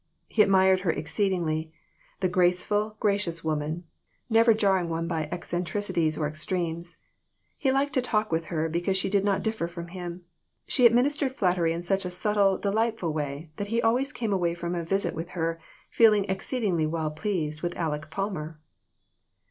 He admired her exceedingly the graceful, gra cious woman, never jarring one by eccentricities or extremes. He liked to talk with her, because she did not differ from him. She administered flattery in such a subtle, delightful way that he always came away from a visit with her feeling exceedingly well pleased with Aleck Palmer.